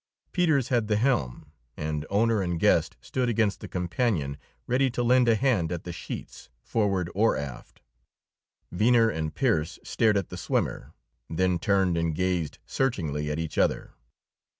Peters had the helm, and owner and guest stood against the companion, ready to lend a hand at the sheets, forward or aft. Venner and Pearse stared at the swimmer, then turned and gazed searchingly at each other.